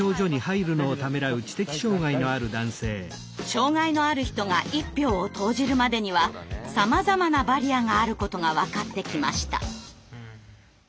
障害のある人が一票を投じるまでにはさまざまなバリアがあることが分かってきました。